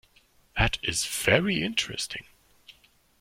That is very interesting.